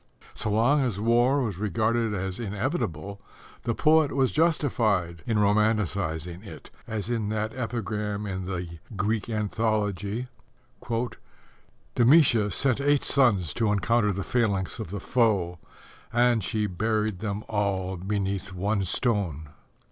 So long as war was regarded as inevitable, the poet was justified in romanticizing it, as in that epigram in the Greek Anthology: Demætia sent eight sons to encounter the phalanx of the foe, and she buried them all beneath one stone.